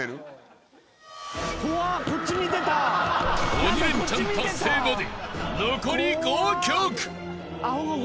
［鬼レンチャン達成まで残り５曲］